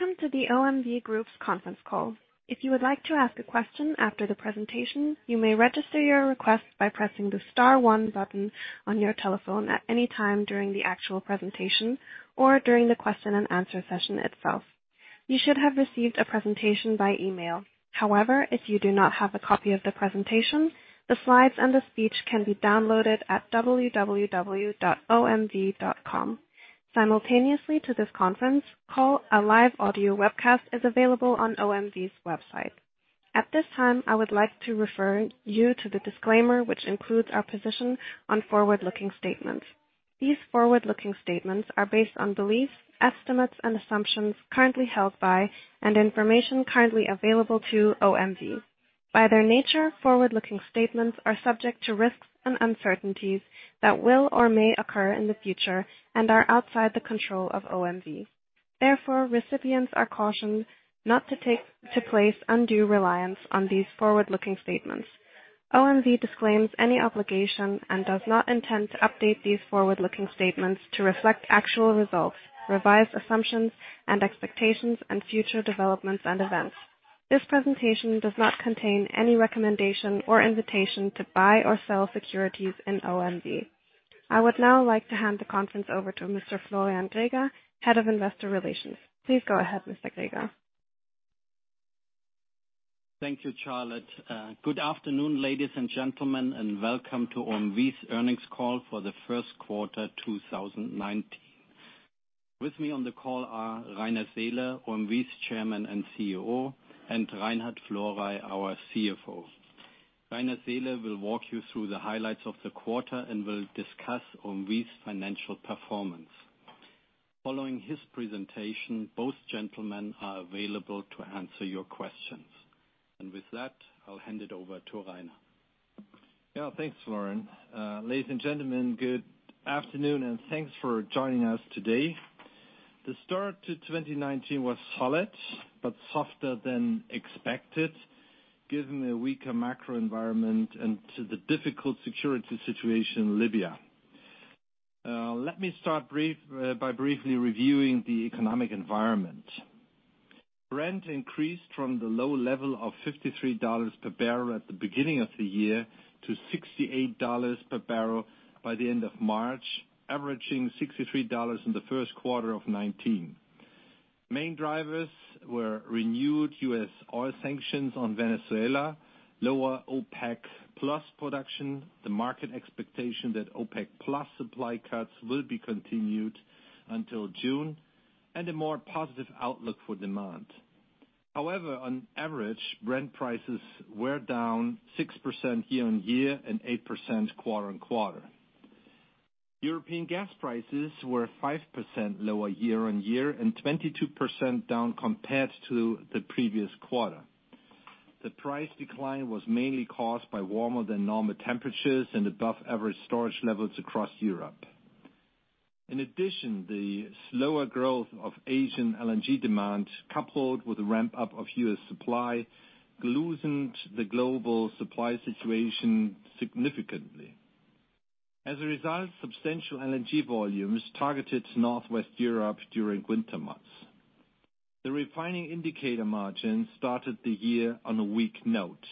Welcome to the OMV Group's conference call. If you would like to ask a question after the presentation, you may register your request by pressing the star one button on your telephone at any time during the actual presentation or during the question and answer session itself. You should have received a presentation by email. If you do not have a copy of the presentation, the slides and the speech can be downloaded at www.omv.com. Simultaneously to this conference call, a live audio webcast is available on OMV's website. At this time, I would like to refer you to the disclaimer, which includes our position on forward-looking statements. These forward-looking statements are based on beliefs, estimates, and assumptions currently held by and information currently available to OMV. By their nature, forward-looking statements are subject to risks and uncertainties that will or may occur in the future and are outside the control of OMV. Therefore, recipients are cautioned not to place undue reliance on these forward-looking statements. OMV disclaims any obligation and does not intend to update these forward-looking statements to reflect actual results, revised assumptions and expectations, and future developments and events. This presentation does not contain any recommendation or invitation to buy or sell securities in OMV. I would now like to hand the conference over to Mr. Florian Greger, Head of Investor Relations. Please go ahead, Mr. Greger. Thank you, Charlotte. Good afternoon, ladies and gentlemen, and welcome to OMV's earnings call for the first quarter 2019. With me on the call are Rainer Seele, OMV's Chairman and CEO, and Reinhard Florey, our CFO. Rainer Seele will walk you through the highlights of the quarter and will discuss OMV's financial performance. Following his presentation, both gentlemen are available to answer your questions. With that, I'll hand it over to Rainer. Thanks, Florian. Ladies and gentlemen, good afternoon, and thanks for joining us today. The start to 2019 was solid but softer than expected given the weaker macro environment and to the difficult security situation in Libya. Let me start by briefly reviewing the economic environment. Brent increased from the low level of $53 per barrel at the beginning of the year to $68 per barrel by the end of March, averaging $63 in the first quarter of 2019. Main drivers were renewed U.S. oil sanctions on Venezuela, lower OPEC Plus production, the market expectation that OPEC Plus supply cuts will be continued until June, and a more positive outlook for demand. On average, Brent prices were down 6% year-on-year and 8% quarter-on-quarter. European gas prices were 5% lower year-on-year and 22% down compared to the previous quarter. The price decline was mainly caused by warmer than normal temperatures and above average storage levels across Europe. In addition, the slower growth of Asian LNG demand, coupled with the ramp-up of U.S. supply, loosened the global supply situation significantly. As a result, substantial LNG volumes targeted Northwest Europe during winter months. The refining indicator margin started the year on a weak note.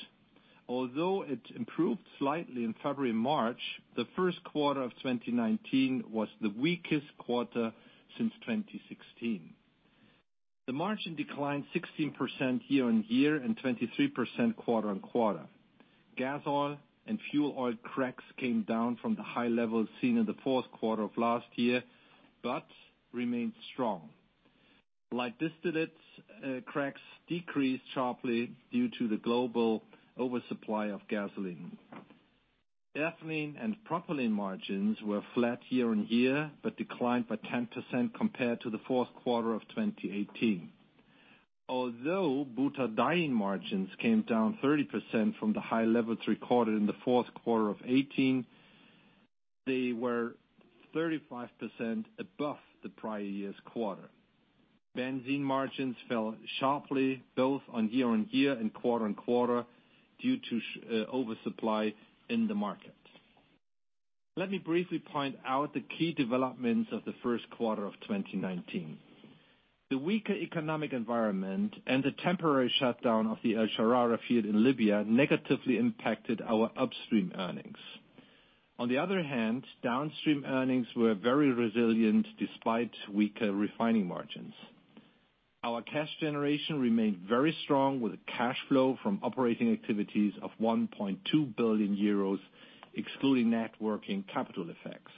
Although it improved slightly in February and March, the first quarter of 2019 was the weakest quarter since 2016. The margin declined 16% year-on-year and 23% quarter-on-quarter. Gas oil and fuel oil cracks came down from the high levels seen in the fourth quarter of last year, but remained strong. Light distillates cracks decreased sharply due to the global oversupply of gasoline. Ethylene and propylene margins were flat year-on-year but declined by 10% compared to the fourth quarter of 2018. Butadiene margins came down 30% from the high levels recorded in the fourth quarter of 2018, they were 35% above the prior year's quarter. Benzene margins fell sharply both year-on-year and quarter-on-quarter due to oversupply in the market. Let me briefly point out the key developments of the first quarter of 2019. The weaker economic environment and the temporary shutdown of the El Sharara field in Libya negatively impacted our upstream earnings. On the other hand, downstream earnings were very resilient despite weaker refining margins. Our cash generation remained very strong with a cash flow from operating activities of 1.2 billion euros, excluding net working capital effects.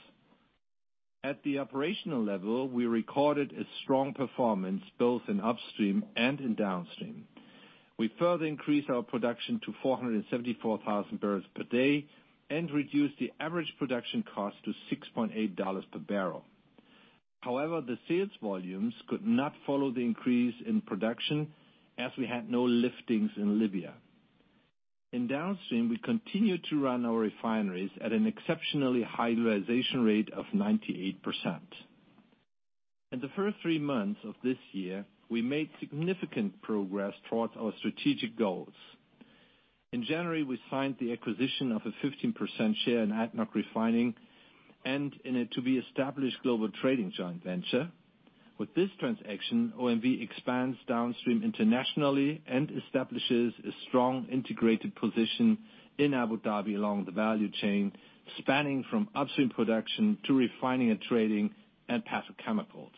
At the operational level, we recorded a strong performance both in upstream and in downstream. We further increased our production to 474,000 barrels per day and reduced the average production cost to $6.8 per barrel. The sales volumes could not follow the increase in production as we had no liftings in Libya. In downstream, we continued to run our refineries at an exceptionally high realization rate of 98%. In the first three months of this year, we made significant progress towards our strategic goals. In January, we signed the acquisition of a 15% share in ADNOC Refining and in a to-be-established global trading joint venture. With this transaction, OMV expands downstream internationally and establishes a strong integrated position in Abu Dhabi along the value chain, spanning from upstream production to refining and trading and petrochemicals.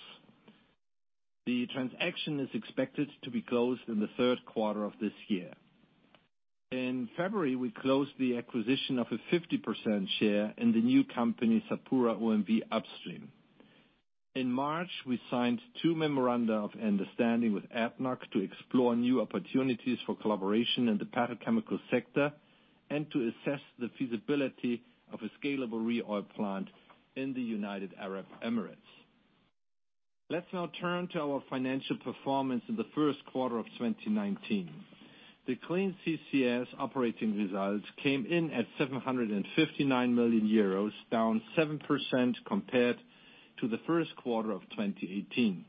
The transaction is expected to be closed in the third quarter of this year. In February, we closed the acquisition of a 50% share in the new company, SapuraOMV Upstream. In March, we signed two memoranda of understanding with ADNOC to explore new opportunities for collaboration in the petrochemical sector and to assess the feasibility of a scalable Re-Oil plant in the United Arab Emirates. Let's now turn to our financial performance in the first quarter of 2019. The Clean CCS operating results came in at 759 million euros, down 7% compared to the first quarter of 2018.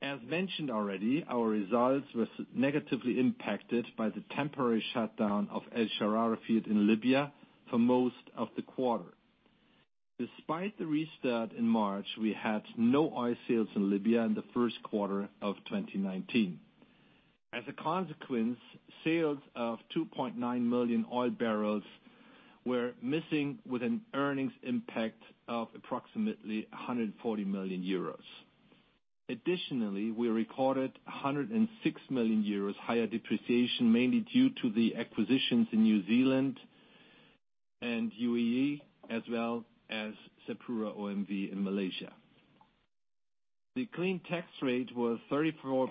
As mentioned already, our results were negatively impacted by the temporary shutdown of El Sharara field in Libya for most of the quarter. Despite the restart in March, we had no oil sales in Libya in the first quarter of 2019. As a consequence, sales of 2.9 million oil barrels were missing with an earnings impact of approximately 140 million euros. Additionally, we recorded 106 million euros higher depreciation, mainly due to the acquisitions in New Zealand and UAE, as well as SapuraOMV in Malaysia. The clean tax rate was 34%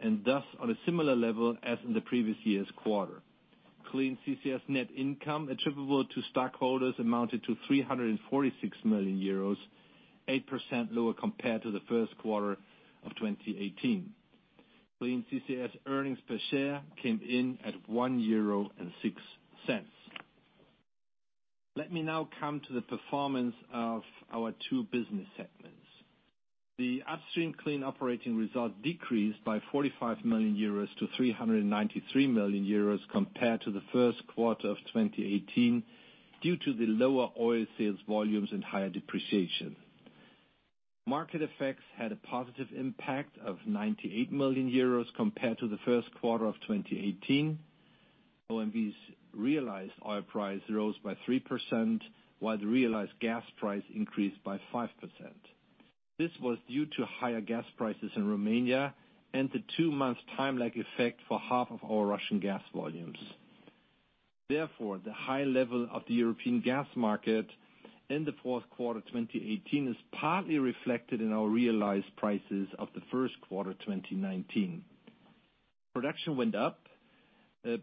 and thus on a similar level as in the previous year's quarter. Clean CCS net income attributable to stockholders amounted to 346 million euros, 8% lower compared to the first quarter of 2018. Clean CCS earnings per share came in at 1.06 euro. Let me now come to the performance of our two business segments. The Upstream clean operating result decreased by 45 million euros to 393 million euros compared to the first quarter of 2018 due to the lower oil sales volumes and higher depreciation. Market effects had a positive impact of 98 million euros compared to the first quarter of 2018. OMV's realized oil price rose by 3%, while the realized gas price increased by 5%. This was due to higher gas prices in Romania and the two-month time lag effect for half of our Russian gas volumes. The high level of the European gas market in the fourth quarter 2018 is partly reflected in our realized prices of the first quarter 2019. Production went up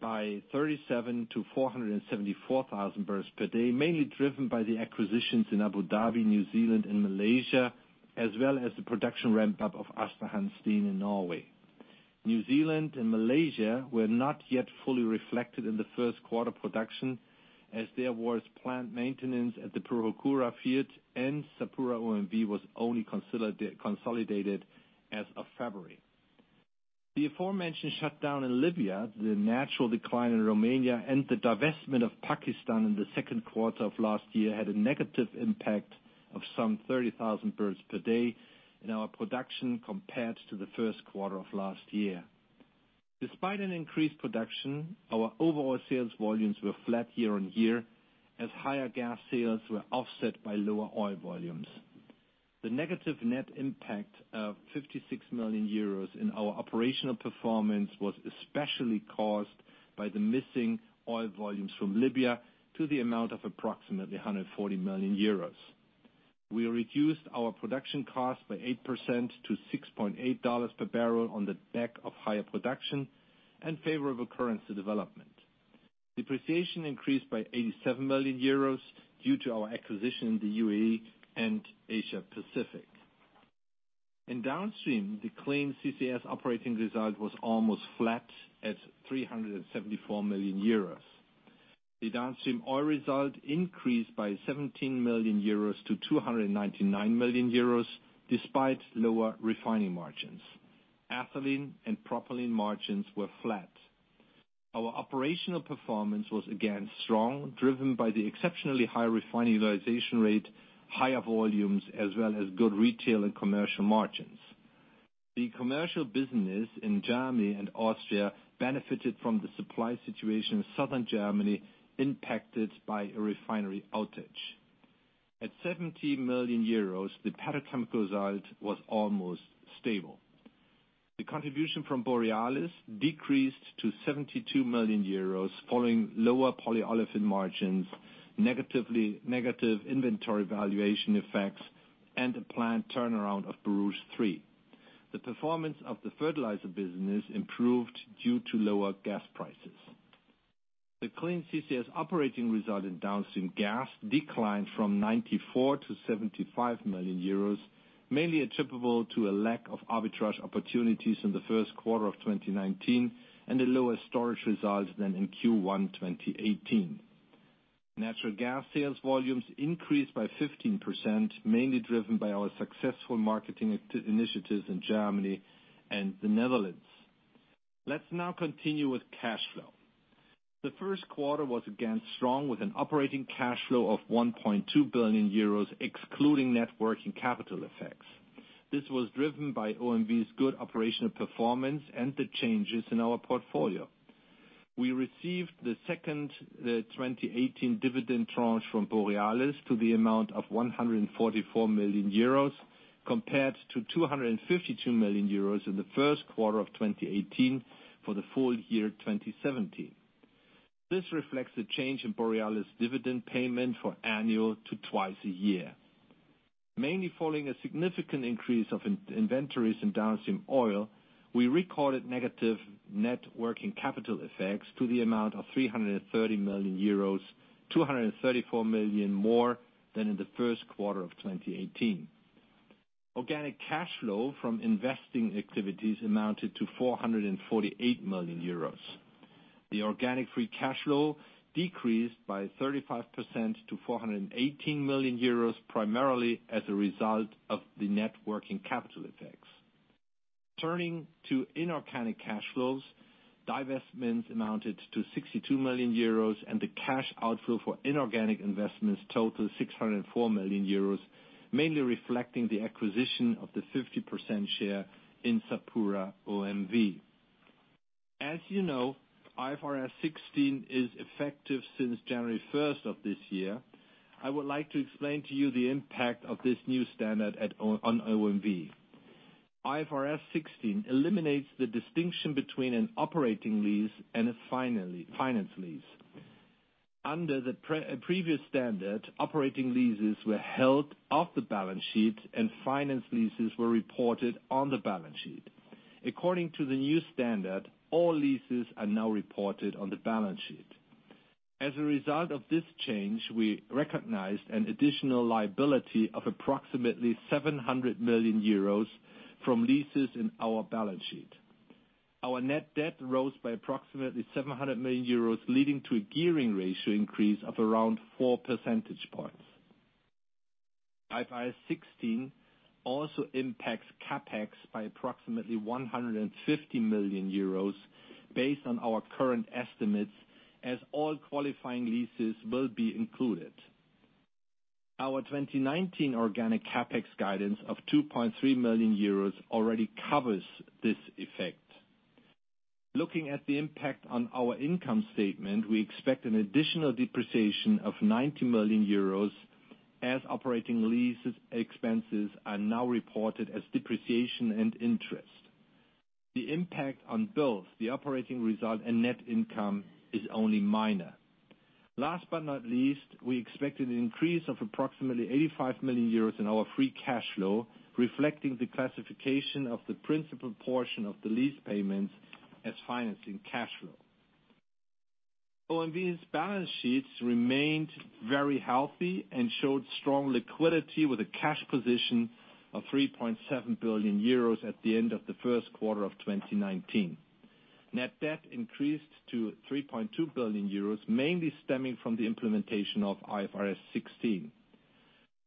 by 37 to 474,000 barrels per day, mainly driven by the acquisitions in Abu Dhabi, New Zealand and Malaysia, as well as the production ramp-up of Aasta Hansteen in Norway. New Zealand and Malaysia were not yet fully reflected in the first quarter production, as there was plant maintenance at the Pohokura field and SapuraOMV was only consolidated as of February. The aforementioned shutdown in Libya, the natural decline in Romania, and the divestment of Pakistan in the second quarter of last year had a negative impact of some 30,000 barrels per day in our production compared to the first quarter of last year. Despite an increased production, our overall sales volumes were flat year-on-year as higher gas sales were offset by lower oil volumes. The negative net impact of 56 million euros in our operational performance was especially caused by the missing oil volumes from Libya to the amount of approximately 140 million euros. We reduced our production costs by 8% to $6.8 per barrel on the back of higher production and favorable currency development. Depreciation increased by 87 million euros due to our acquisition in the UAE and Asia Pacific. In Downstream, the Clean CCS operating result was almost flat at 374 million euros. The Downstream oil result increased by 17 million euros to 299 million euros, despite lower refining margins. Ethylene and propylene margins were flat. Our operational performance was again strong, driven by the exceptionally high refining utilization rate, higher volumes, as well as good retail and commercial margins. The commercial business in Germany and Austria benefited from the supply situation in southern Germany impacted by a refinery outage. At 17 million euros, the petrochemical result was almost stable. The contribution from Borealis decreased to 72 million euros following lower polyolefin margins, negative inventory valuation effects, and a planned turnaround of Borouge 3. The performance of the fertilizer business improved due to lower gas prices. The Clean CCS operating result in Downstream Gas declined from 94 million to 75 million euros, mainly attributable to a lack of arbitrage opportunities in the first quarter of 2019 and a lower storage result than in Q1 2018. Natural gas sales volumes increased by 15%, mainly driven by our successful marketing initiatives in Germany and the Netherlands. Let's now continue with cash flow. The first quarter was again strong with an operating cash flow of 1.2 billion euros, excluding net working capital effects. This was driven by OMV's good operational performance and the changes in our portfolio. We received the second 2018 dividend tranche from Borealis to the amount of 144 million euros compared to 252 million euros in the first quarter of 2018 for the full year 2017. This reflects the change in Borealis dividend payment for annual to twice a year. Mainly following a significant increase of inventories in downstream oil, we recorded negative net working capital effects to the amount of 330 million euros, 234 million more than in the first quarter of 2018. Organic cash flow from investing activities amounted to 448 million euros. The organic free cash flow decreased by 35% to 418 million euros, primarily as a result of the net working capital effects. Turning to inorganic cash flows, divestments amounted to 62 million euros and the cash outflow for inorganic investments totaled 604 million euros, mainly reflecting the acquisition of the 50% share in SapuraOMV. As you know, IFRS 16 is effective since January 1st of this year. I would like to explain to you the impact of this new standard on OMV. IFRS 16 eliminates the distinction between an operating lease and a finance lease. Under the previous standard, operating leases were held off the balance sheet, and finance leases were reported on the balance sheet. According to the new standard, all leases are now reported on the balance sheet. As a result of this change, we recognized an additional liability of approximately 700 million euros from leases in our balance sheet. Our net debt rose by approximately 700 million euros, leading to a gearing ratio increase of around four percentage points. IFRS 16 also impacts CapEx by approximately 150 million euros based on our current estimates, as all qualifying leases will be included. Our 2019 organic CapEx guidance of 2.3 million euros already covers this effect. Looking at the impact on our income statement, we expect an additional depreciation of 90 million euros, as operating lease expenses are now reported as depreciation and interest. The impact on both the operating result and net income is only minor. Last but not least, we expect an increase of approximately 85 million euros in our free cash flow, reflecting the classification of the principal portion of the lease payments as financing cash flow. OMV's balance sheets remained very healthy and showed strong liquidity with a cash position of 3.7 billion euros at the end of the first quarter of 2019. Net debt increased to 3.2 billion euros, mainly stemming from the implementation of IFRS 16.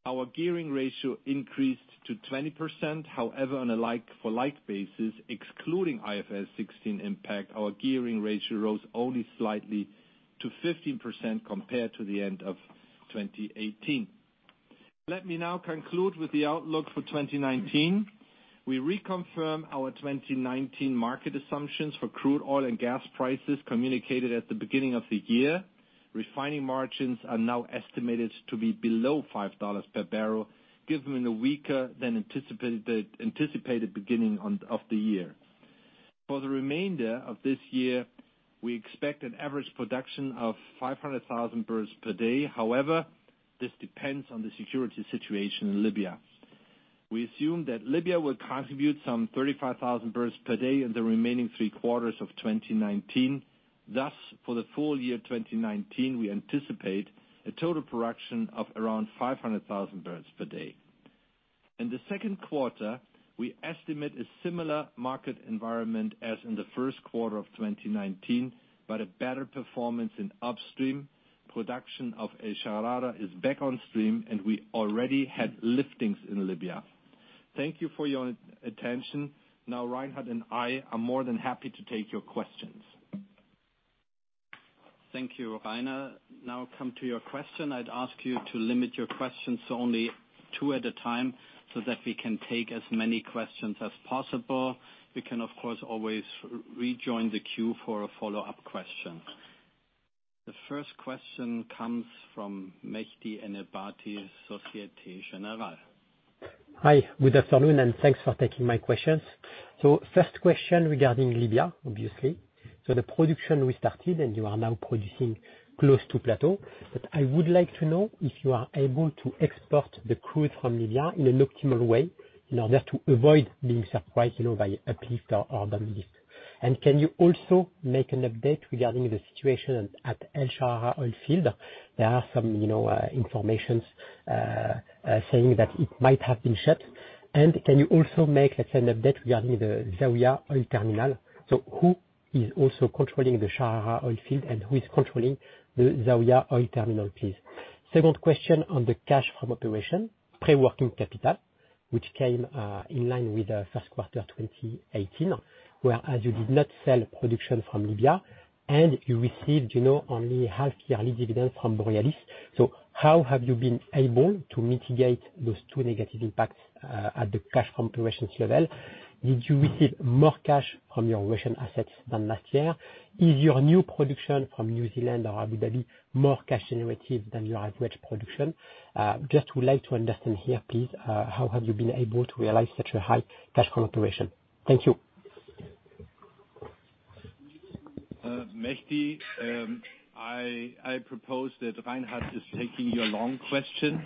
Our gearing ratio increased to 20%. However, on a like-for-like basis, excluding IFRS 16 impact, our gearing ratio rose only slightly to 15% compared to the end of 2018. Let me now conclude with the outlook for 2019. We reconfirm our 2019 market assumptions for crude oil and gas prices communicated at the beginning of the year. Refining margins are now estimated to be below $5 per barrel, given the weaker than anticipated beginning of the year. For the remainder of this year, we expect an average production of 500,000 barrels per day. However, this depends on the security situation in Libya. We assume that Libya will contribute some 35,000 barrels per day in the remaining three quarters of 2019. Thus, for the full year 2019, we anticipate a total production of around 500,000 barrels per day. In the second quarter, we estimate a similar market environment as in the first quarter of 2019, but a better performance in upstream. Production of El Sharara is back on stream, and we already had liftings in Libya. Thank you for your attention. Reinhard and I are more than happy to take your questions. Thank you, Rainer. Now come to your question. I would ask you to limit your questions to only two at a time so that we can take as many questions as possible. We can, of course, always rejoin the queue for a follow-up question. The first question comes from Mehdi Ennabati, Société Générale. Hi, good afternoon, and thanks for taking my questions. First question regarding Libya, obviously. The production restarted, and you are now producing close to plateau. I would like to know if you are able to export the crude from Libya in an optimal way in order to avoid being surprised by uplift or down lift. Can you also make an update regarding the situation at El Sharara oil field? There are some informations saying that it might have been shut. Can you also make, let's say, an update regarding the Zawiya oil terminal? Who is also controlling the Sharara oil field, and who is controlling the Zawiya oil terminal, please? Second question on the cash from operation, pre-working capital, which came inline with the first quarter 2018, whereas you did not sell production from Libya, and you received only half-yearly dividends from Borealis. How have you been able to mitigate those two negative impacts, at the cash from operations level? Did you receive more cash from your Russian assets than last year? Is your new production from New Zealand or Abu Dhabi more cash generative than your average production? Just would like to understand here, please, how have you been able to realize such a high cash from operation? Thank you. Mehdi, I propose that Reinhard is taking your long question.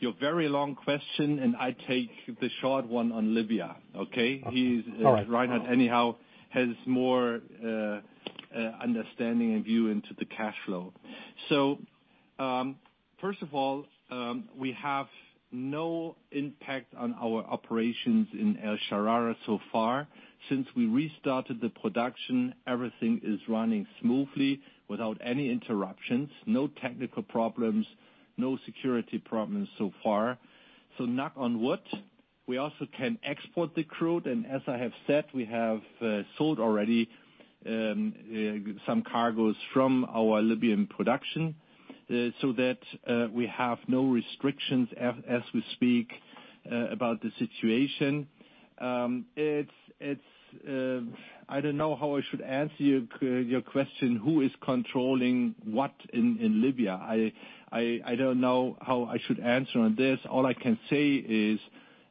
Your very long question, and I take the short one on Libya. Okay? All right. Reinhard, anyhow, has more understanding and view into the cash flow. First of all, we have no impact on our operations in El Sharara so far. Since we restarted the production, everything is running smoothly without any interruptions, no technical problems, no security problems so far. Knock on wood. We also can export the crude, and as I have said, we have sold already some cargos from our Libyan production, so that we have no restrictions as we speak about the situation. I don't know how I should answer your question, who is controlling what in Libya. I don't know how I should answer on this. All I can say is,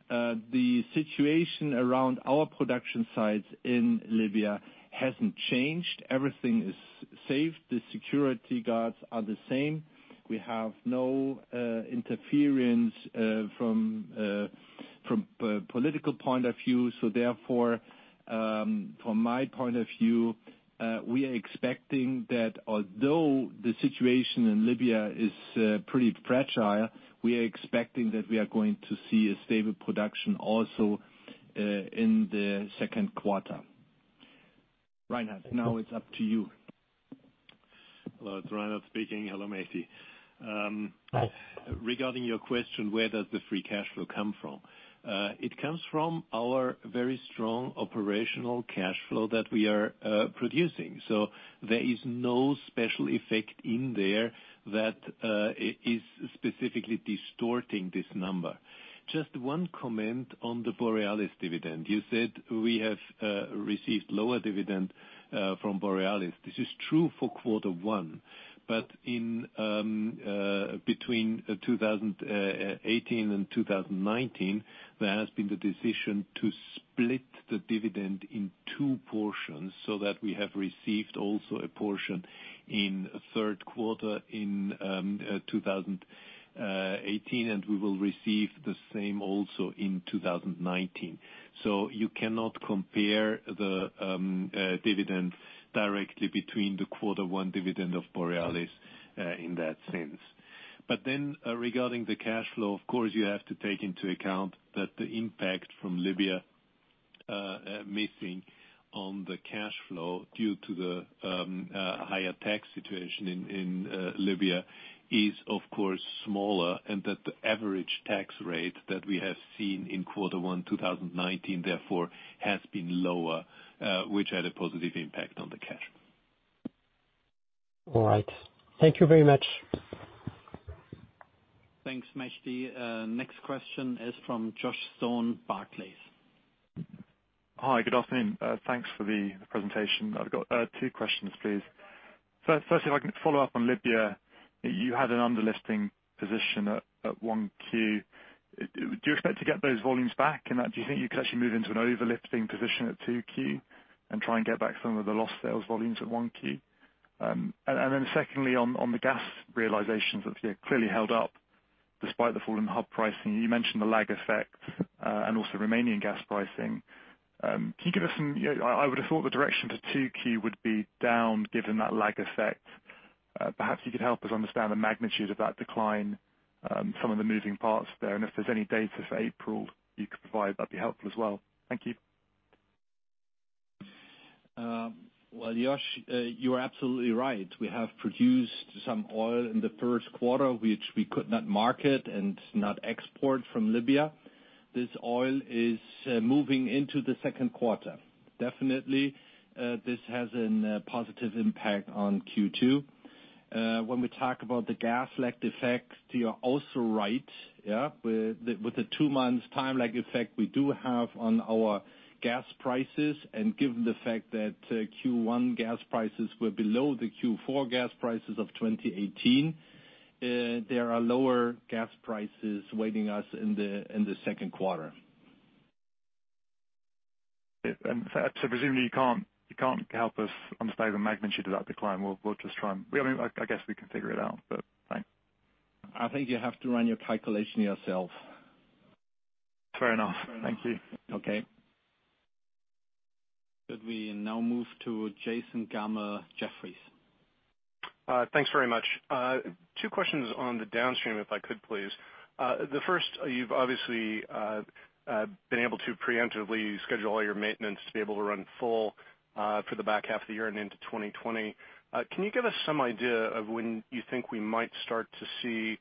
the situation around our production sites in Libya hasn't changed. Everything is safe. The security guards are the same. We have no interference from political point of view. Therefore, from my point of view, we are expecting that although the situation in Libya is pretty fragile, we are expecting that we are going to see a stable production also, in the second quarter. Reinhard, now it's up to you. Hello, it's Reinhard speaking. Hello, Mehdi. Hi. Regarding your question, where does the free cash flow come from? It comes from our very strong operational cash flow that we are producing. There is no special effect in there that is specifically distorting this number. Just one comment on the Borealis dividend. You said we have received lower dividend from Borealis. This is true for quarter one. Between 2018 and 2019, there has been the decision to split the dividend in two portions, that we have received also a portion in third quarter in 2018, and we will receive the same also in 2019. You cannot compare the dividend directly between the quarter one dividend of Borealis in that sense. Regarding the cash flow, of course, you have to take into account that the impact from Libya missing on the cash flow due to the higher tax situation in Libya is of course smaller, and that the average tax rate that we have seen in quarter one 2019 therefore has been lower, which had a positive impact on the cash. All right. Thank you very much. Thanks, Mehdi. Next question is from Joshua Stone, Barclays. Hi. Good afternoon. Thanks for the presentation. I've got two questions, please. First, if I can follow up on Libya, you had an underlifting position at one Q. Do you expect to get those volumes back, and do you think you could actually move into an overlifting position at two Q and try and get back some of the lost sales volumes at one Q? Secondly, on the gas realizations, that they're clearly held up despite the fall in the hub pricing. You mentioned the lag effect, and also Romanian gas pricing. I would have thought the direction for two Q would be down given that lag effect. Perhaps you could help us understand the magnitude of that decline, some of the moving parts there, and if there's any data for April you could provide, that'd be helpful as well. Thank you. Well, Josh, you are absolutely right. We have produced some oil in the first quarter, which we could not market and not export from Libya. This oil is moving into the second quarter. Definitely, this has a positive impact on Q2. When we talk about the gas lag effects, you are also right. Yeah. With the two months time lag effect we do have on our gas prices, and given the fact that Q1 gas prices were below the Q4 gas prices of 2018, there are lower gas prices awaiting us in the second quarter. Yeah. Presumably, you can't help us understand the magnitude of that decline. I guess we can figure it out, but thanks. I think you have to run your calculation yourself. Fair enough. Thank you. Okay. Could we now move to Jason Gammel, Jefferies? Thanks very much. Two questions on the downstream, if I could please. The first, you've obviously been able to preemptively schedule all your maintenance to be able to run full for the back half of the year and into 2020. Can you give us some idea of when you think we might start to see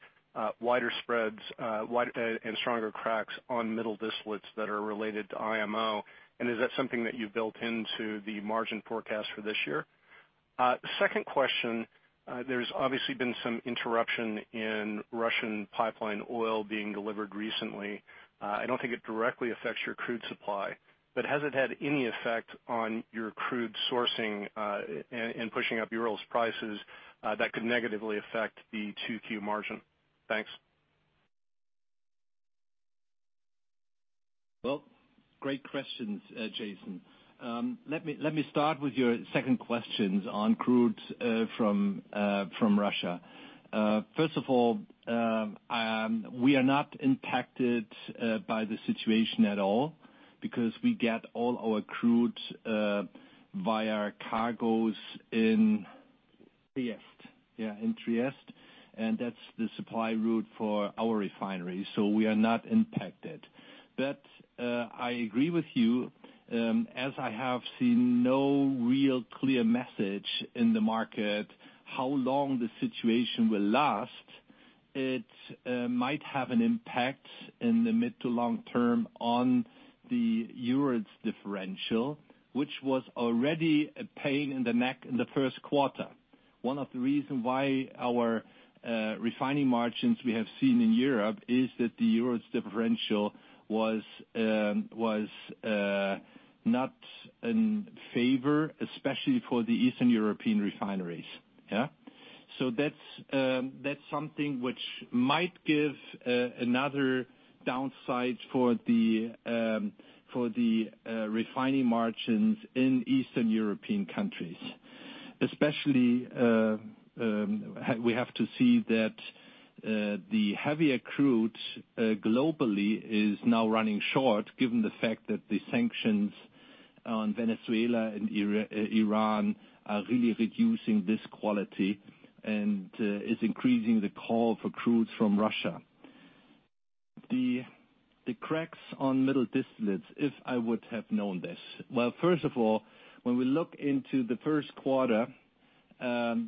wider spreads and stronger cracks on middle distillates that are related to IMO? Is that something that you've built into the margin forecast for this year? Second question, there's obviously been some interruption in Russian pipeline oil being delivered recently. I don't think it directly affects your crude supply, but has it had any effect on your crude sourcing in pushing up Urals prices that could negatively affect the 2Q margin? Thanks. Well, great question, Jason. Let me start with your second question on crude from Russia. First of all, we are not impacted by the situation at all because we get all our crude via cargoes in Trieste, that's the supply route for our refinery. We are not impacted. I agree with you, as I have seen no real clear message in the market how long the situation will last, it might have an impact in the mid to long term on the Urals differential, which was already a pain in the neck in the first quarter. One of the reasons why our refining margins we have seen in Europe is that the Urals differential was not in favor, especially for the Eastern European refineries. That's something which might give another downside for the refining margins in Eastern European countries, especially, we have to see that the heavier crude globally is now running short, given the fact that the sanctions on Venezuela and Iran are really reducing this quality and is increasing the call for crudes from Russia. The cracks on middle distillates, if I would have known this. Well, first of all, when we look into the first quarter, we have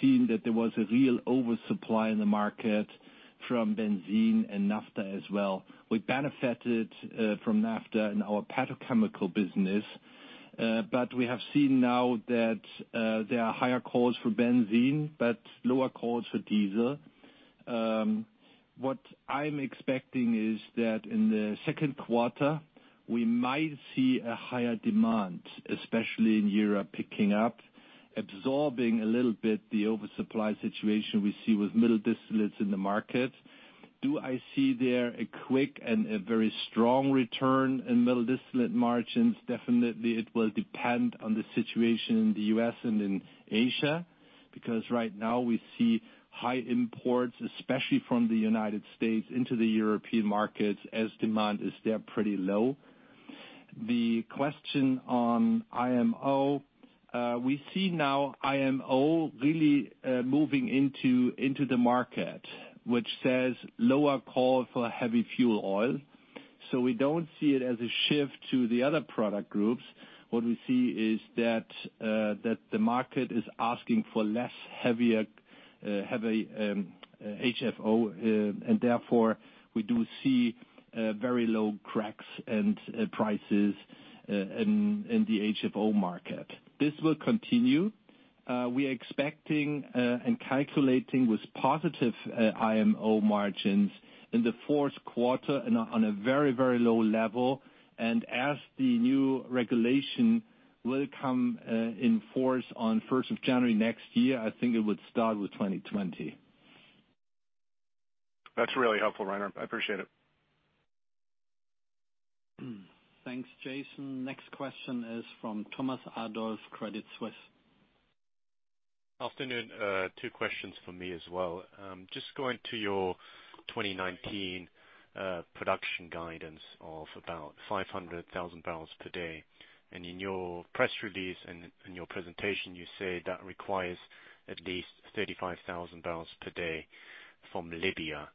seen that there was a real oversupply in the market from benzene and naphtha as well. We benefited from naphtha in our petrochemical business. We have seen now that there are higher calls for benzene, but lower calls for diesel. What I'm expecting is that in the second quarter, we might see a higher demand, especially in Europe, picking up, absorbing a little bit the oversupply situation we see with middle distillates in the market. Do I see there a quick and a very strong return in middle distillate margins? Definitely it will depend on the situation in the U.S. and in Asia, because right now we see high imports, especially from the United States into the European markets, as demand is there pretty low. The question on IMO. We see now IMO really moving into the market, which says lower call for heavy fuel oil. We don't see it as a shift to the other product groups. What we see is that the market is asking for less heavy HFO, therefore we do see very low cracks and prices in the HFO market. This will continue. We are expecting and calculating with positive IMO margins in the fourth quarter and on a very low level. As the new regulation will come in force on 1st of January next year, I think it would start with 2020. That's really helpful, Rainer. I appreciate it. Thanks, Jason. Next question is from Thomas Adolff, Credit Suisse. Afternoon. two questions from me as well. Just going to your 2019 production guidance of about 500,000 barrels per day. In your press release and in your presentation, you say that requires at least 35,000 barrels per day from Libya.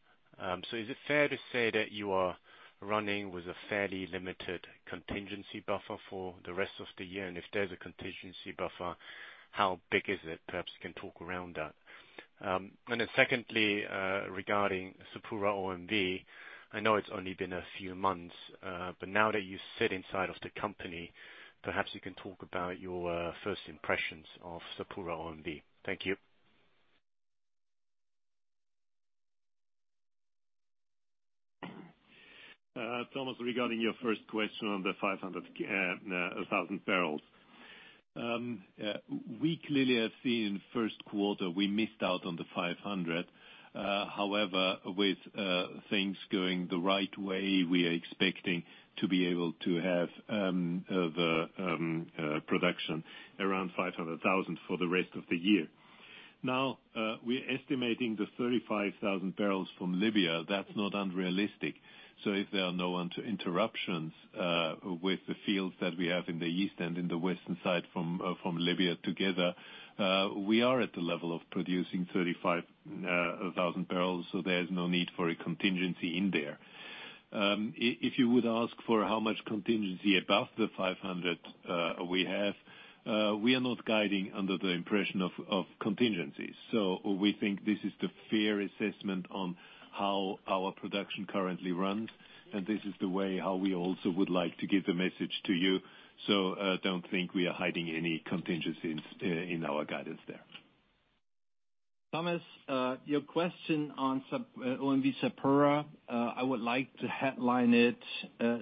Is it fair to say that you are running with a fairly limited contingency buffer for the rest of the year? If there's a contingency buffer, how big is it? Perhaps you can talk around that. Then secondly, regarding SapuraOMV, I know it's only been a few months, but now that you sit inside of the company, perhaps you can talk about your first impressions of SapuraOMV. Thank you. Thomas, regarding your first question on the 500,000 barrels. We clearly have seen first quarter, we missed out on the 500. However, with things going the right way, we are expecting to be able to have the production around 500,000 for the rest of the year. Now, we are estimating the 35,000 barrels from Libya. That is not unrealistic. If there are no interruptions with the fields that we have in the east and in the western side from Libya together, we are at the level of producing 35,000 barrels. There is no need for a contingency in there. If you would ask for how much contingency above the 500 we have, we are not guiding under the impression of contingencies. We think this is the fair assessment on how our production currently runs and this is the way how we also would like to give the message to you. Do not think we are hiding any contingencies in our guidance there. Thomas, your question on OMV Sapura, I would like to headline it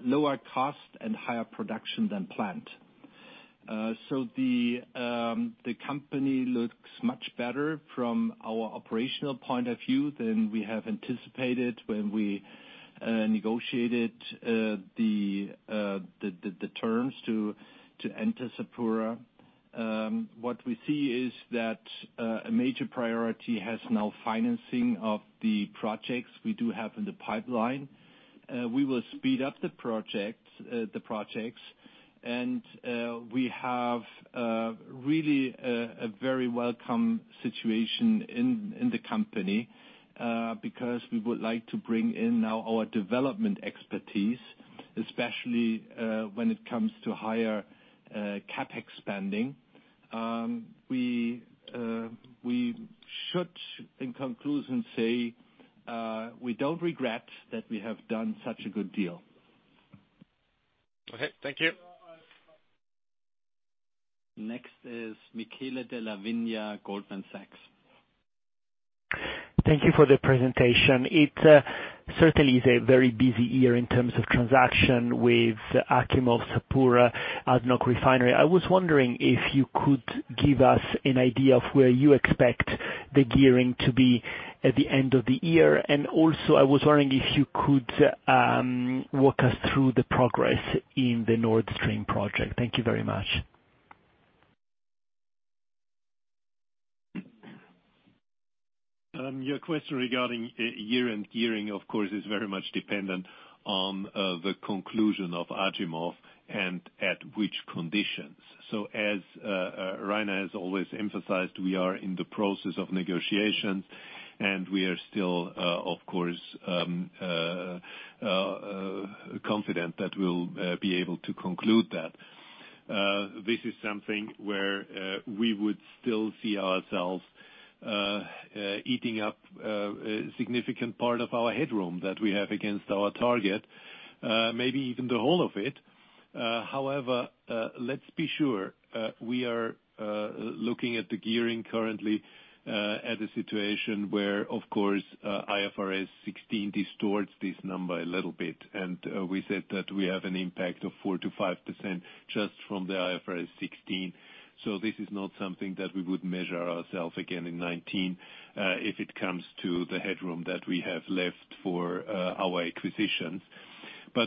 lower cost and higher production than planned. The company looks much better from our operational point of view than we have anticipated when we negotiated the terms to enter Sapura. What we see is that a major priority has now financing of the projects we do have in the pipeline. We will speed up the projects. And we have really a very welcome situation in the company, because we would like to bring in now our development expertise, especially when it comes to higher CapEx spending. We should, in conclusion, say, we do not regret that we have done such a good deal. Okay. Thank you. Next is Michele Della Vigna, Goldman Sachs. Thank you for the presentation. It certainly is a very busy year in terms of transaction with Achimov Sapura, ADNOC Refining. I was wondering if you could give us an idea of where you expect the gearing to be at the end of the year. Also, I was wondering if you could walk us through the progress in the Nord Stream project. Thank you very much. Your question regarding year-end gearing, of course, is very much dependent on the conclusion of Achimov and at which conditions. As Rainer has always emphasized, we are in the process of negotiations and we are still, of course, confident that we'll be able to conclude that. This is something where we would still see ourselves eating up a significant part of our headroom that we have against our target. Maybe even the whole of it. However, let's be sure, we are looking at the gearing currently at a situation where, of course, IFRS 16 distorts this number a little bit. We said that we have an impact of 4%-5% just from the IFRS 16. This is not something that we would measure ourself again in 2019, if it comes to the headroom that we have left for our acquisitions.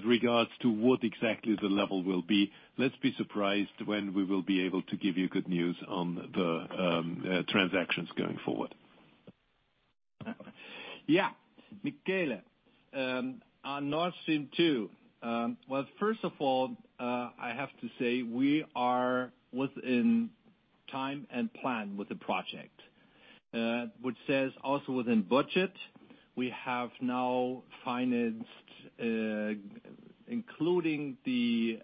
Regards to what exactly the level will be, let's be surprised when we will be able to give you good news on the transactions going forward. Michele, on Nord Stream 2. First of all, I have to say we are within time and plan with the project. Which says also within budget. We have now financed, including the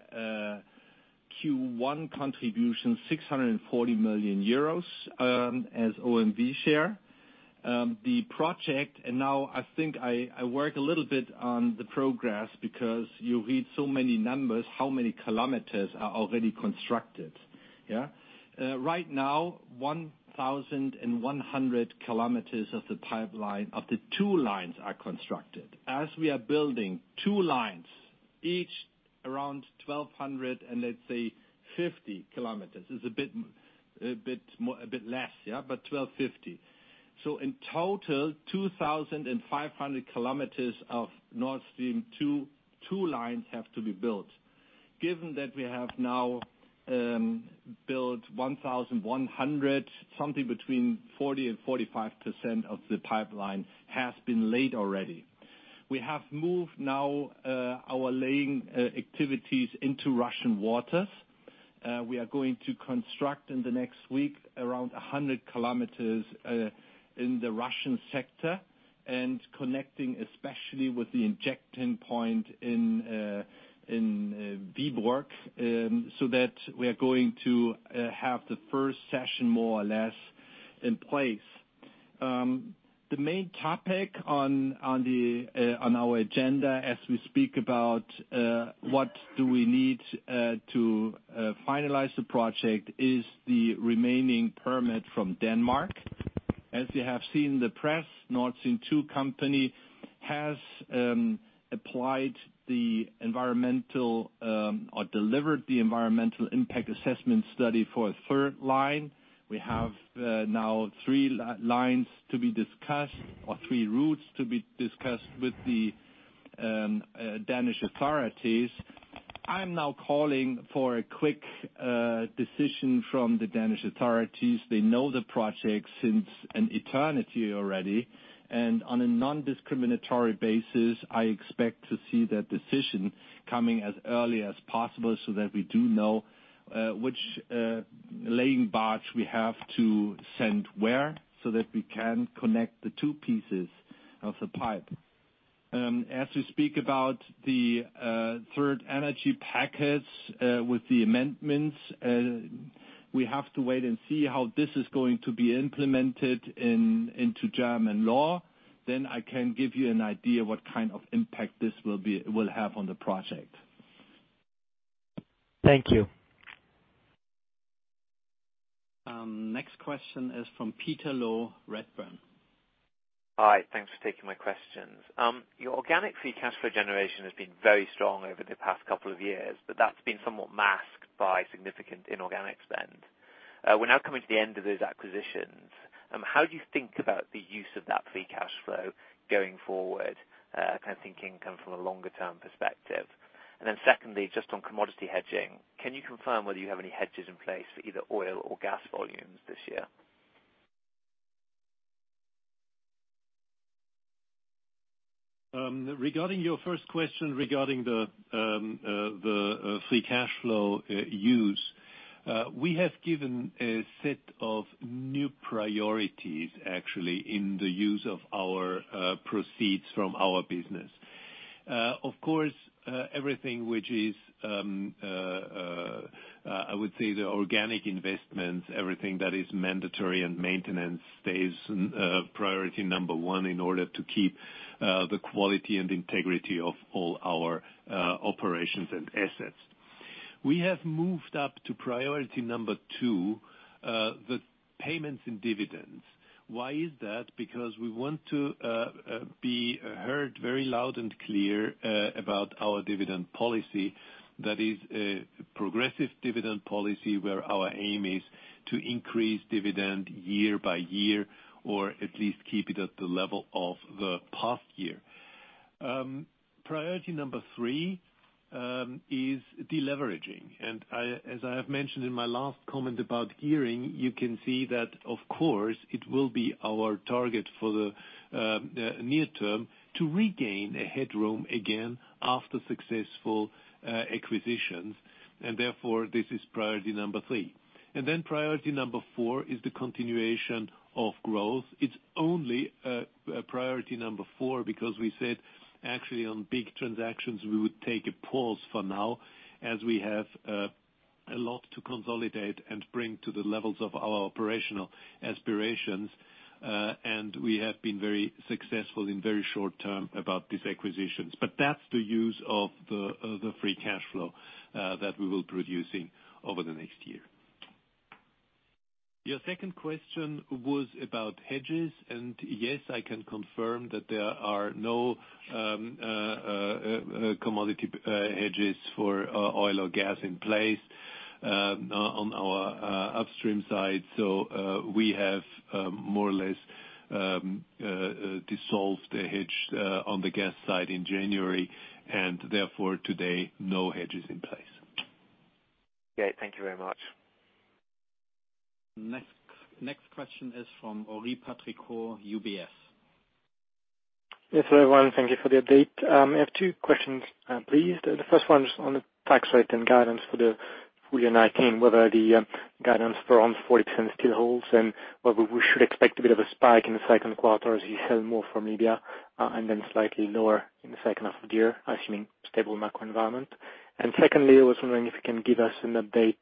Q1 contribution, 640 million euros as OMV share. The project, now I think I work a little bit on the progress because you read so many numbers, how many kilometers are already constructed. Right now, 1,100 kilometers of the pipeline of the two lines are constructed. As we are building two lines, each around 1,200 and let's say 50 kilometers. Is a bit less. 1,250. In total, 2,500 kilometers of Nord Stream 2, two lines have to be built. Given that we have now built 1,100, something between 40%-45% of the pipeline has been laid already. We have moved now our laying activities into Russian waters. We are going to construct in the next week around 100 kilometers in the Russian sector and connecting especially with the injecting point in Vyborg, so that we are going to have the first section more or less in place. The main topic on our agenda as we speak about what do we need to finalize the project is the remaining permit from Denmark. As you have seen in the press, Nord Stream 2 AG has applied the environmental or delivered the environmental impact assessment study for a third line. We have now three lines to be discussed or three routes to be discussed with the Danish authorities. I'm now calling for a quick decision from the Danish authorities. They know the project since an eternity already. On a non-discriminatory basis, I expect to see that decision coming as early as possible so that we do know which laying barge we have to send where, so that we can connect the two pieces of the pipe. As we speak about the Third Energy Package with the amendments, we have to wait and see how this is going to be implemented into German law. I can give you an idea what kind of impact this will have on the project. Thank you. Next question is from Peter Low, Redburn. Hi. Thanks for taking my questions. Your organic free cash flow generation has been very strong over the past couple of years, but that's been somewhat masked by significant inorganic spend. We're now coming to the end of those acquisitions. How do you think about the use of that free cash flow going forward? I'm thinking come from a longer term perspective. Secondly, just on commodity hedging, can you confirm whether you have any hedges in place for either oil or gas volumes this year? Regarding your first question regarding the free cash flow use, we have given a set of new priorities, actually, in the use of our proceeds from our business. Of course, everything which is, I would say the organic investments, everything that is mandatory and maintenance stays priority number 1 in order to keep the quality and integrity of all our operations and assets. We have moved up to priority number 2, the payments and dividends. Why is that? Because we want to be heard very loud and clear about our dividend policy, that is a progressive dividend policy where our aim is to increase dividend year by year, or at least keep it at the level of the past year. Priority number 3, is deleveraging. As I have mentioned in my last comment about gearing, you can see that, of course, it will be our target for the near term to regain a headroom again after successful acquisitions. Therefore, this is priority number 3. Priority number 4 is the continuation of growth. It's only a priority number 4 because we said actually on big transactions, we would take a pause for now as we have a lot to consolidate and bring to the levels of our operational aspirations. We have been very successful in very short term about these acquisitions. That's the use of the free cash flow that we will be producing over the next year. Your second question was about hedges, and yes, I can confirm that there are no commodity hedges for oil or gas in place on our upstream side. We have more or less dissolved a hedge on the gas side in January, and therefore, today, no hedges in place. Great. Thank you very much. Next question is from Henri Patricot, UBS. Yes, hello, everyone. Thank you for the update. I have two questions, please. The first one is on the tax rate and guidance for the full year 2019, whether the guidance for on 40% still holds and whether we should expect a bit of a spike in the second quarter as you sell more from Libya, then slightly lower in the second half of the year, assuming stable macro environment. Secondly, I was wondering if you can give us an update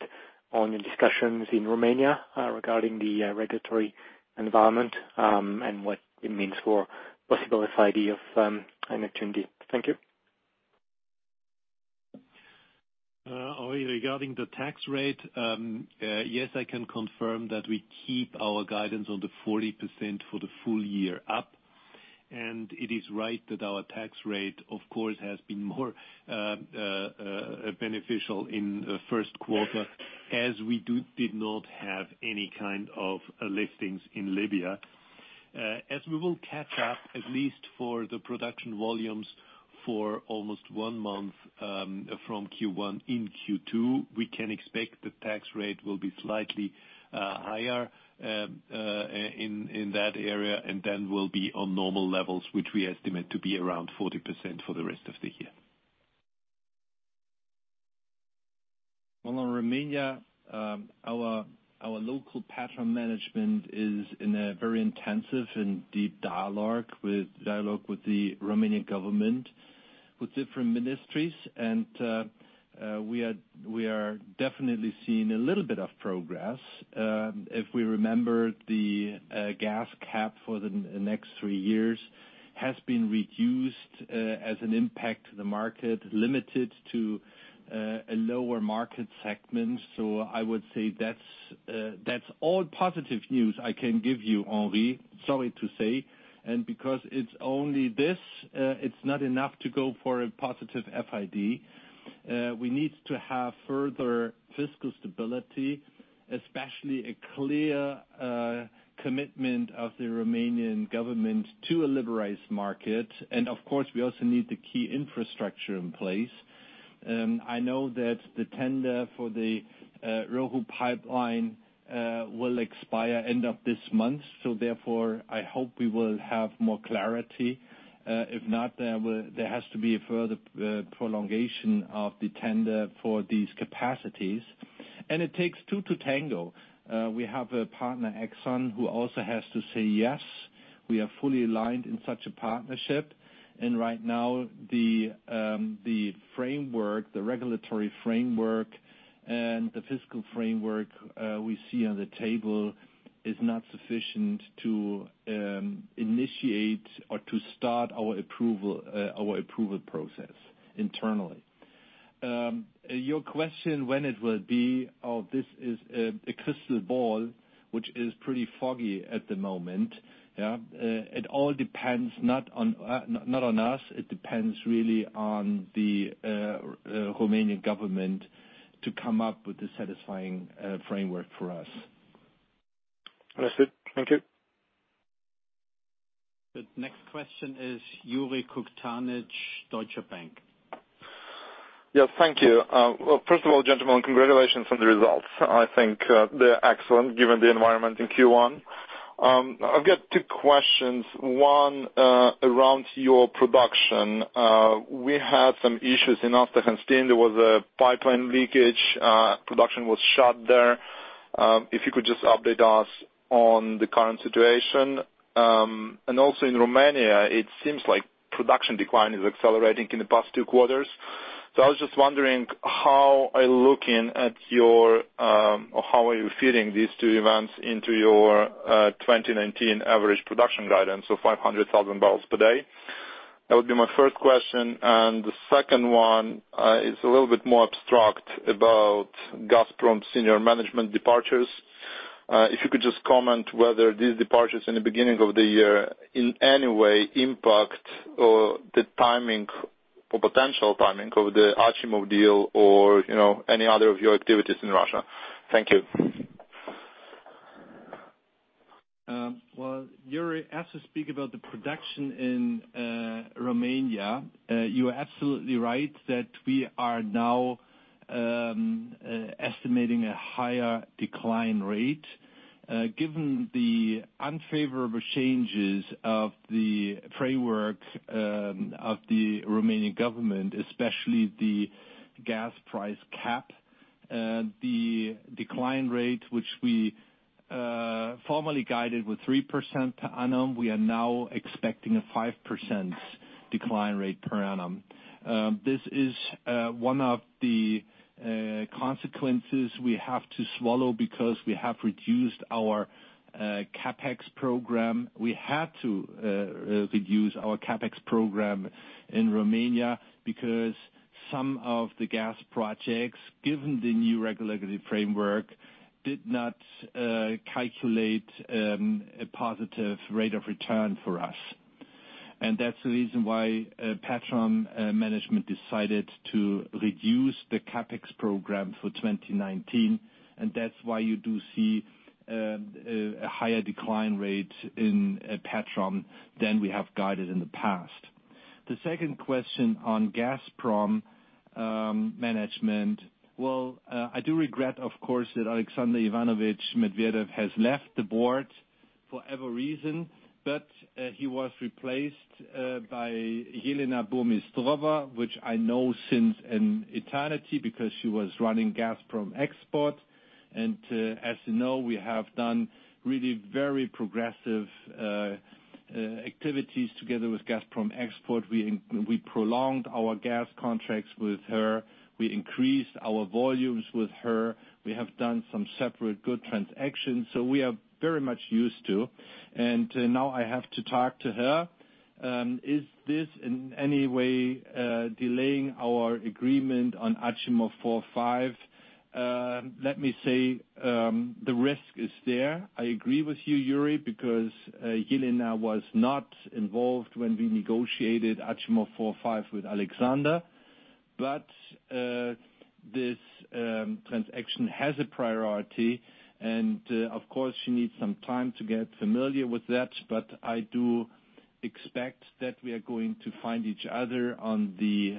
on your discussions in Romania regarding the regulatory environment, and what it means for possible FID of an opportunity. Thank you. Henri, regarding the tax rate, yes, I can confirm that we keep our guidance on the 40% for the full year up. It is right that our tax rate, of course, has been more beneficial in the first quarter as we did not have any kind of listings in Libya. As we will catch up, at least for the production volumes for almost one month from Q1 in Q2, we can expect the tax rate will be slightly higher in that area and then will be on normal levels, which we estimate to be around 40% for the rest of the year. Well, on Romania, our local Petrom management is in a very intensive and deep dialogue with the Romanian government, with different ministries. We are definitely seeing a little bit of progress. We remember the gas cap for the next three years has been reduced as an impact to the market, limited to a lower market segment. I would say that's all positive news I can give you, Henri. Sorry to say. Because it's only this, it's not enough to go for a positive FID. We need to have further fiscal stability, especially a clear commitment of the Romanian government to a liberalized market. Of course, we also need the key infrastructure in place. I know that the tender for the BRUA pipeline will expire end of this month. Therefore, I hope we will have more clarity. If not, there has to be a further prolongation of the tender for these capacities. It takes two to tango. We have a partner, Exxon, who also has to say yes, we are fully aligned in such a partnership. Right now the regulatory framework and the fiscal framework we see on the table is not sufficient to initiate or to start our approval process internally. Your question, when it will be, this is a crystal ball which is pretty foggy at the moment. Yeah. It all depends not on us, it depends really on the Romanian government to come up with a satisfying framework for us. Understood. Thank you. The next question is Yuri Koktanich, Deutsche Bank. Yes. Thank you. Well, first of all, gentlemen, congratulations on the results. I think they're excellent given the environment in Q1. I've got two questions. One, around your production. We had some issues in Aasta Hansteen. There was a pipeline leakage, production was shut there. If you could just update us on the current situation. Also in Romania, it seems like production decline is accelerating in the past two quarters. I was just wondering how are you fitting these two events into your 2019 average production guidance of 500,000 barrels per day? That would be my first question. The second one, it's a little bit more abstract, about Gazprom senior management departures. If you could just comment whether these departures in the beginning of the year in any way impact the timing or potential timing of the Achimov deal or any other of your activities in Russia. Thank you. Well, Yuri, as we speak about the production in Romania, you are absolutely right that we are now estimating a higher decline rate. Given the unfavorable changes of the framework of the Romanian government, especially the gas price cap, the decline rate, which we formerly guided with 3% per annum, we are now expecting a 5% decline rate per annum. This is one of the consequences we have to swallow because we have reduced our CapEx program. We had to reduce our CapEx program in Romania because some of the gas projects, given the new regulatory framework, did not calculate a positive rate of return for us. That's the reason why Petrom management decided to reduce the CapEx program for 2019. That's why you do see a higher decline rate in Petrom than we have guided in the past. The second question on Gazprom management. Well, I do regret, of course, that Alexander Ivanovich Medvedev has left the board for whatever reason, but he was replaced by Elena Burmistrova, which I know since an eternity because she was running Gazprom Export, and as you know, we have done really very progressive activities together with Gazprom Export. We prolonged our gas contracts with her. We increased our volumes with her. We have done some separate good transactions. We are very much used to, and now I have to talk to her. Is this in any way delaying our agreement on Achimov 45? Let me say, the risk is there. I agree with you, Yuri, because Elena was not involved when we negotiated Achimov 45 with Alexander. This transaction has a priority, and of course, she needs some time to get familiar with that, but I do expect that we are going to find each other on the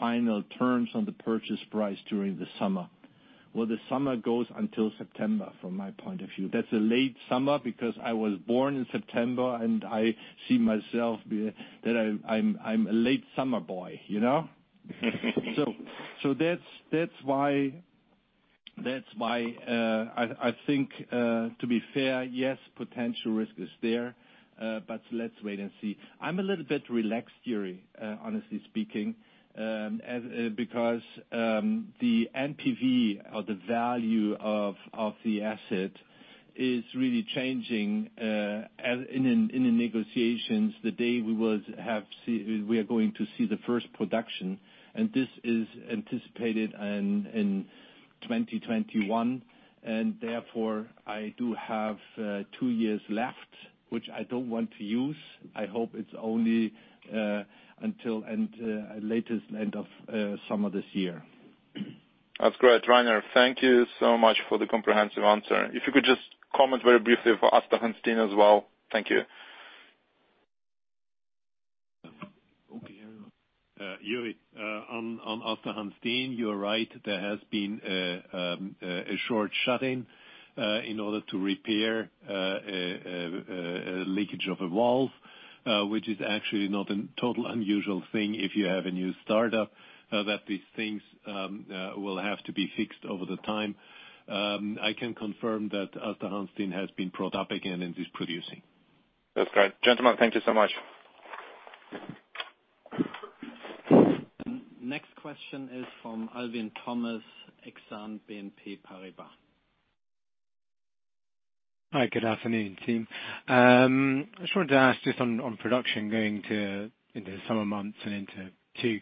final terms on the purchase price during the summer. The summer goes until September, from my point of view. That's a late summer because I was born in September, and I see myself that I'm a late summer boy. That's why I think, to be fair, yes, potential risk is there, but let's wait and see. I'm a little bit relaxed, Yuri, honestly speaking, because the NPV or the value of the asset is really changing in the negotiations the day we are going to see the first production, and this is anticipated in 2021, and therefore I do have two years left, which I don't want to use. I hope it's only until latest end of summer this year. That's great, Rainer. Thank you so much for the comprehensive answer. If you could just comment very briefly for Aasta Hansteen as well. Thank you. Okay. Yuri, on Aasta Hansteen, you are right. There has been a short shutting in order to repair a leakage of a valve, which is actually not a total unusual thing if you have a new startup, that these things will have to be fixed over the time. I can confirm that Aasta Hansteen has been brought up again and is producing. That's great. Gentlemen, thank you so much. Next question is from Alvin Thomas, Exane BNP Paribas. Hi, good afternoon, team. I just wanted to ask just on production going into the summer months and into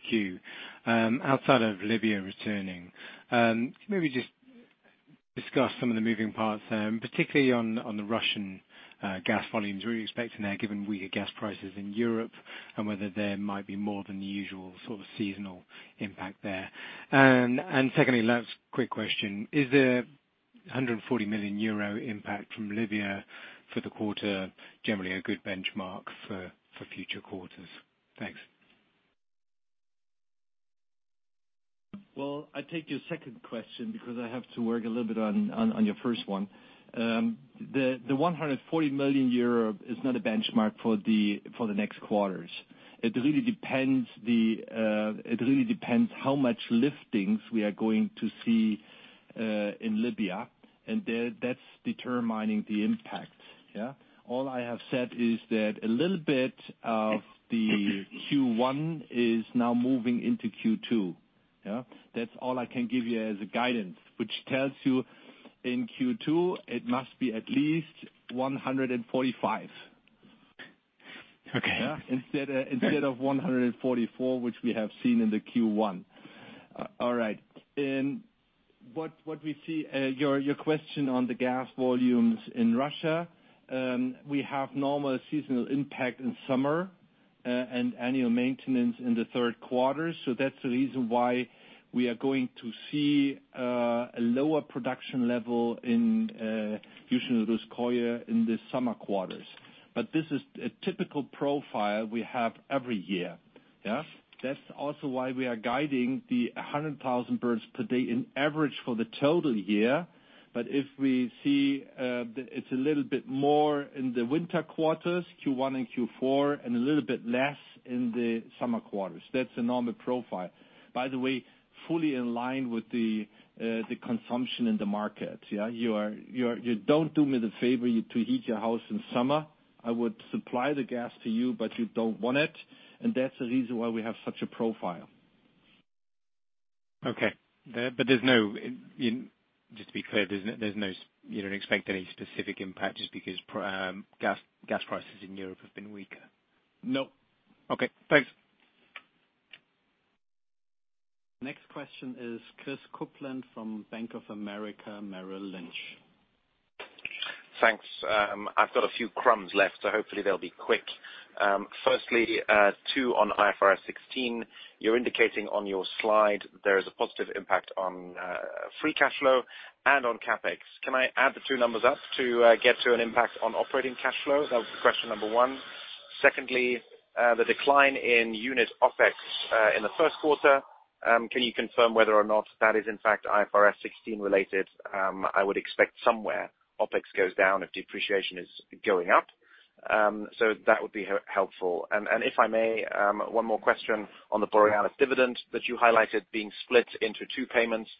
2Q, outside of Libya returning. Can you maybe just discuss some of the moving parts there, and particularly on the Russian gas volumes, what are you expecting there given weaker gas prices in Europe? Whether there might be more than the usual sort of seasonal impact there. Secondly, last quick question. Is the 140 million euro impact from Libya for the quarter generally a good benchmark for future quarters? Thanks. Well, I take your second question because I have to work a little bit on your first one. The 140 million euro is not a benchmark for the next quarters. It really depends how much liftings we are going to see in Libya, and that's determining the impact. Yeah? All I have said is that a little bit of the Q1 is now moving into Q2. Yeah? That's all I can give you as a guidance, which tells you in Q2, it must be at least 145. Okay. Instead of 144, which we have seen in the Q1. All right. In what we see, your question on the gas volumes in Russia, we have normal seasonal impact in summer, and annual maintenance in the third quarter. That's the reason why we are going to see a lower production level in Yuzhno Russkoye in the summer quarters. This is a typical profile we have every year. Yeah? That's also why we are guiding the 100,000 barrels per day in average for the total year. If we see it's a little bit more in the winter quarters, Q1 and Q4, and a little bit less in the summer quarters, that's a normal profile. By the way, fully in line with the consumption in the market. Yeah? You don't do me the favor to heat your house in summer. I would supply the gas to you, but you don't want it, and that's the reason why we have such a profile. Okay. Just to be clear, you don't expect any specific impact just because gas prices in Europe have been weaker? No. Okay, thanks. Next question is Christopher Kuplent from Bank of America Merrill Lynch. Thanks. I've got a few crumbs left, so hopefully they'll be quick. Firstly, two on IFRS 16. You're indicating on your slide there is a positive impact on free cash flow and on CapEx. Can I add the two numbers up to get to an impact on operating cash flow? That was the question number one. Secondly, the decline in unit OPEX in the first quarter, can you confirm whether or not that is in fact IFRS 16 related? I would expect somewhere OPEX goes down if depreciation is going up. That would be helpful. If I may, one more question on the borrowing out of dividend that you highlighted being split into two payments.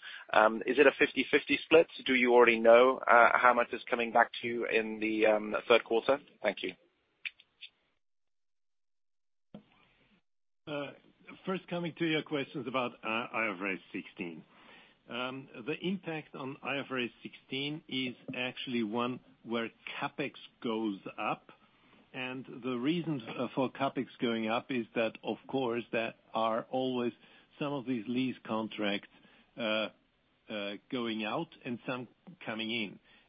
Is it a 50/50 split? Do you already know how much is coming back to you in the third quarter? Thank you. First coming to your questions about IFRS 16. The impact on IFRS 16 is actually one where CapEx goes up. The reasons for CapEx going up is that, of course, there are always some of these lease contracts going out and some coming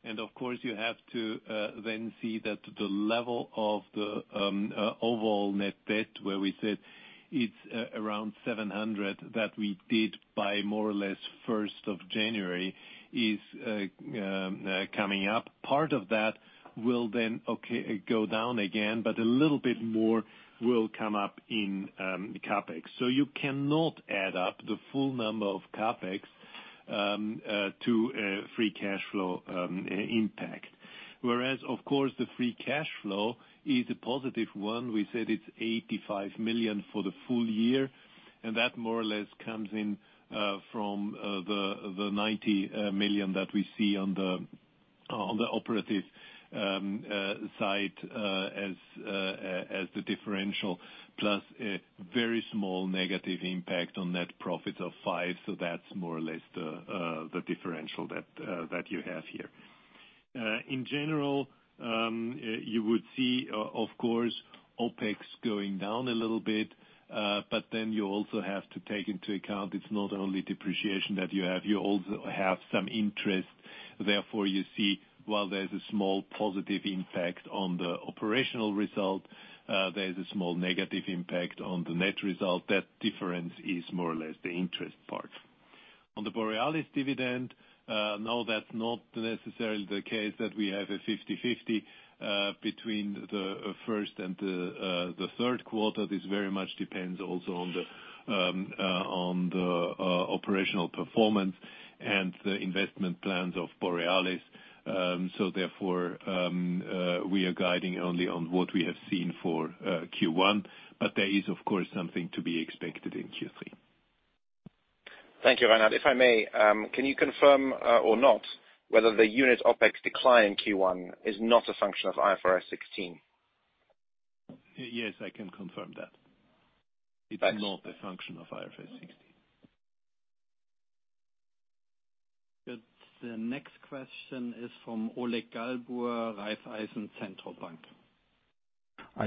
in. Of course, you have to then see that the level of the overall net debt, where we said it's around 700 that we did by more or less 1st of January, is coming up. Part of that will then go down again. A little bit more will come up in CapEx. You cannot add up the full number of CapEx to a free cash flow impact. Whereas, of course, the free cash flow is a positive one. We said it's 85 million for the full year. That more or less comes in from the 90 million that we see on the operative site as the differential, plus a very small negative impact on net profit of five. That's more or less the differential that you have here. In general, you would see, of course, OPEX going down a little bit. You also have to take into account, it's not only depreciation that you have. You also have some interest. Therefore, you see while there's a small positive impact on the operational result, there's a small negative impact on the net result. That difference is more or less the interest part. On the Borealis dividend, no, that's not necessarily the case that we have a 50/50 between the first and the third quarter. This very much depends also on the operational performance and the investment plans of Borealis. Therefore, we are guiding only on what we have seen for Q1, but there is, of course, something to be expected in Q3. Thank you, Reinhard. If I may, can you confirm or not, whether the unit OPEX decline in Q1 is not a function of IFRS 16? Yes, I can confirm that. It's not a function of IFRS 16. Good. The next question is from Oleg Galbur, Raiffeisen Centrobank.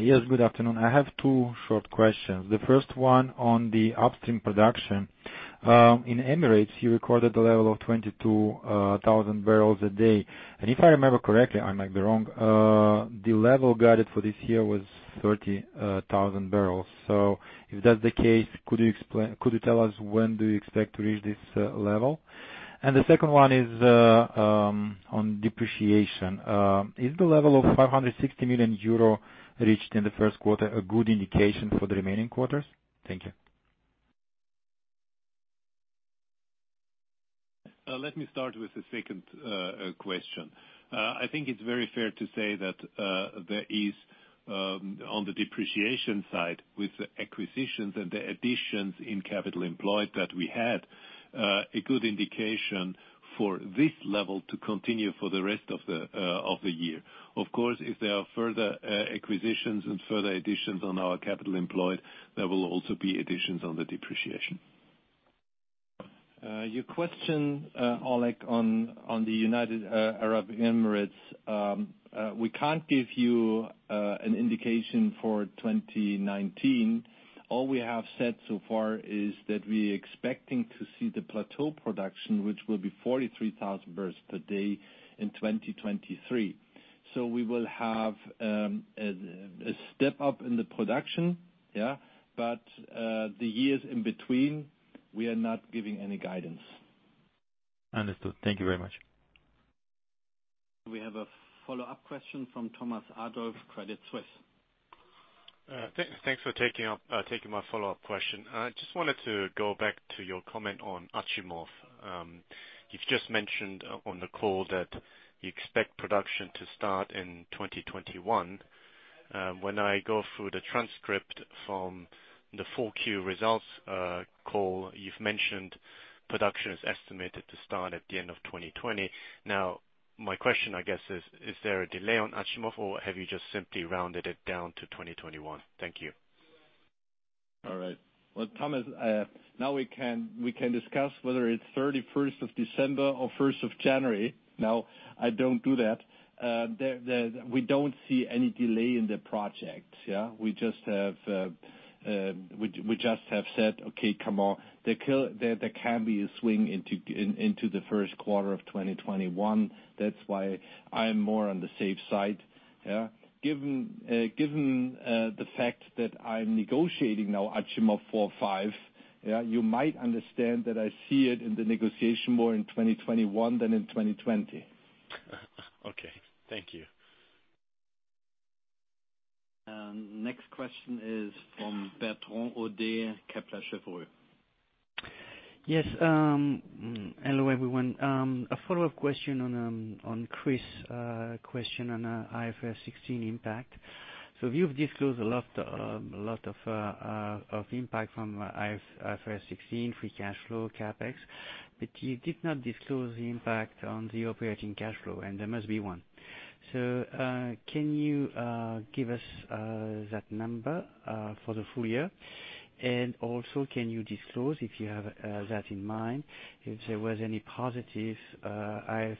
Yes, good afternoon. I have two short questions. The first one on the upstream production. In Emirates, you recorded a level of 22,000 barrels a day. If I remember correctly, I might be wrong, the level guided for this year was 30,000 barrels. If that's the case, could you tell us when do you expect to reach this level? The second one is on depreciation. Is the level of 560 million euro reached in the first quarter a good indication for the remaining quarters? Thank you. Let me start with the second question. I think it's very fair to say that there is, on the depreciation side, with the acquisitions and the additions in capital employed that we had, a good indication for this level to continue for the rest of the year. Of course, if there are further acquisitions and further additions on our capital employed, there will also be additions on the depreciation. Your question, Oleg, on the United Arab Emirates, we can't give you an indication for 2019. All we have said so far is that we expecting to see the plateau production, which will be 43,000 barrels per day in 2023. We will have a step up in the production. The years in between, we are not giving any guidance. Understood. Thank you very much. We have a follow-up question from Thomas Adolff, Credit Suisse. Thanks for taking my follow-up question. I just wanted to go back to your comment on Achimov. You've just mentioned on the call that you expect production to start in 2021. When I go through the transcript from the full Q results call, you've mentioned production is estimated to start at the end of 2020. My question, I guess, is there a delay on Achimov or have you just simply rounded it down to 2021? Thank you. All right. Well, Thomas, we can discuss whether it's 31st of December or 1st of January. I don't do that. We don't see any delay in the project. Yeah. We just have said, okay, come on. There can be a swing into the first quarter of 2021. That's why I am more on the safe side. Yeah. Given the fact that I'm negotiating Achimov four, five, you might understand that I see it in the negotiation more in 2021 than in 2020. Okay. Thank you. Next question is from Bertrand Hodee, Kepler Cheuvreux. Yes. Hello, everyone. A follow-up question on Chris' question on IFRS 16 impact. You've disclosed a lot of impact from IFRS 16 free cash flow CapEx, but you did not disclose the impact on the operating cash flow, and there must be one. Can you give us that number for the full year? Can you disclose, if you have that in mind, if there was any positive IFRS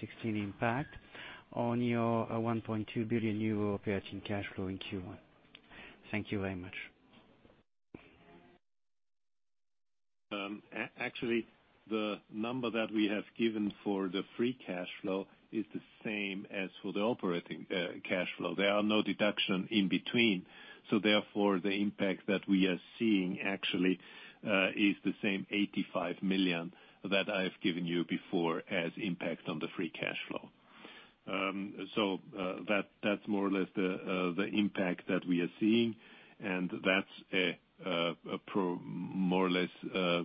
16 impact on your 1.2 billion euro operating cash flow in Q1? Thank you very much. Actually, the number that we have given for the free cash flow is the same as for the operating cash flow. There are no deduction in between, the impact that we are seeing actually is the same 85 million that I've given you before as impact on the free cash flow. That's more or less the impact that we are seeing, and that's more or less a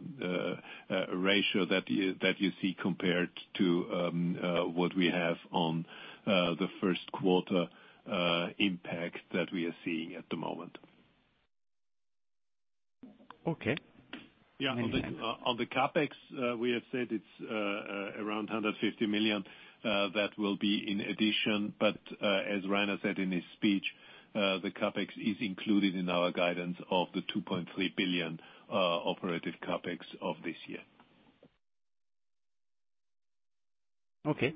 ratio that you see compared to what we have on the first quarter impact that we are seeing at the moment. Okay. On the CapEx, we have said it's around 150 million. That will be in addition. As Reinhard said in his speech, the CapEx is included in our guidance of the 2.3 billion operating CapEx of this year. Okay.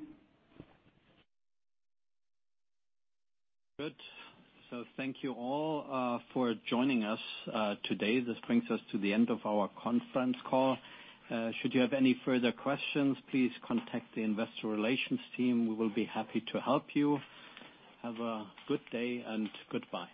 Good. Thank you all for joining us today. This brings us to the end of our conference call. Should you have any further questions, please contact the investor relations team. We will be happy to help you. Have a good day, and goodbye.